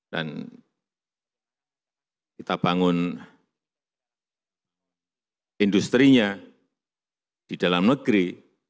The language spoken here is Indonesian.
dan kita bangun industri nya di dalam negeri